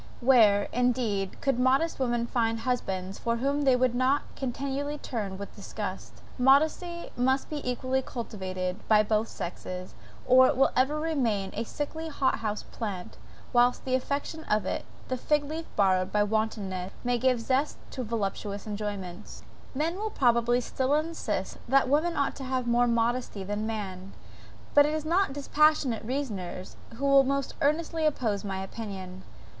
Where, indeed, could modest women find husbands from whom they would not continually turn with disgust? Modesty must be equally cultivated by both sexes, or it will ever remain a sickly hot house plant, whilst the affectation of it, the fig leaf borrowed by wantonness, may give a zest to voluptuous enjoyments.) Men will probably still insist that woman ought to have more modesty than man; but it is not dispassionate reasoners who will most earnestly oppose my opinion.